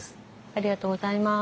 ありがとうございます。